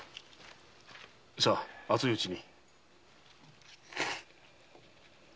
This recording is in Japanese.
さぁ熱いうちに。